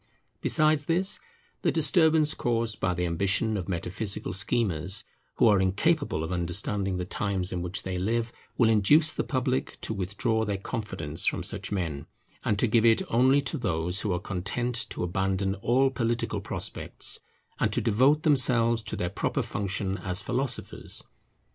Besides this, the disturbance caused by the ambition of metaphysical schemers, who are incapable of understanding the times in which they live, will induce the public to withdraw their confidence from such men, and give it only to those who are content to abandon all political prospects, and to devote themselves to their proper function as philosophers.